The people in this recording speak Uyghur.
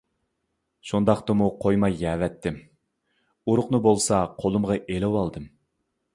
شۇنداقتىمۇ قويماي يەۋەتتىم، ئۇرۇقىنى بولسا قولۇمغا ئېلىۋالدىم.